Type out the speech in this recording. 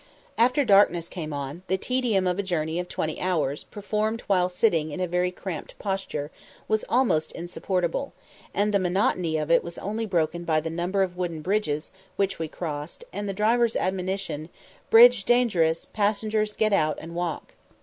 After darkness came on, the tedium of a journey of twenty hours, performed while sitting in a very cramped posture, was almost insupportable, and the monotony of it was only broken by the number of wooden bridges which we crossed, and the driver's admonition, "Bridge dangerous; passengers get out and walk."